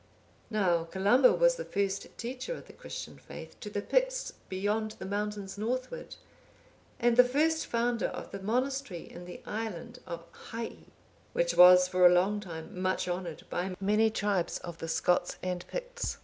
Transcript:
"(819) Now Columba was the first teacher of the Christian faith to the Picts beyond the mountains northward, and the first founder of the monastery in the island of Hii, which was for a long time much honoured by many tribes of the Scots and Picts.